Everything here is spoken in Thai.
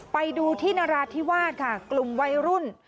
ไปดูที่นราธิวาสค่ะกลุ่มวัยรุ่น